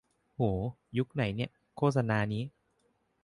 โห ยุคไหนเนี่ย โฆษณานี้